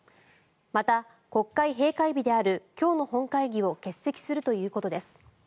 また、国会閉会日である今日の本会議を欠席するということです。